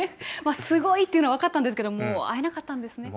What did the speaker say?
すごいっていうのは分かったんですけど、会えなかったんですね、残念。